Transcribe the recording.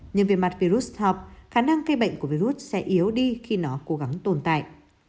nhưng về mặt virus hop khả năng gây bệnh của virus sẽ yếu đi khi nó cố gắng tồn tại